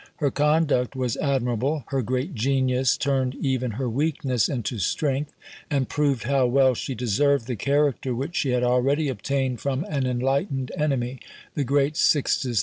Her conduct was admirable; her great genius turned even her weakness into strength, and proved how well she deserved the character which she had already obtained from an enlightened enemy the great Sixtus V.